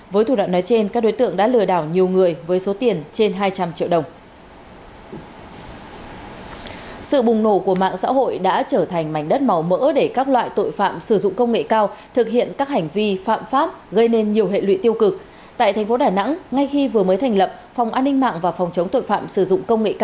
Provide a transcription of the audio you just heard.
với thủ đoạn nói trên các đối tượng đã lừa đảo nhiều người với số tiền trên hai trăm linh triệu đồng